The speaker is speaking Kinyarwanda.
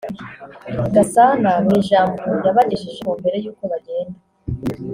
Gasana mu ijambo yabagejejeho mbere y’uko bagenda